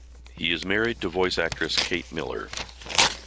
He is married to voice actress Kate Miller.